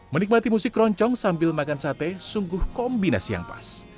menikmati musik keroncong sambil makan sate sungguh kombinasi yang pas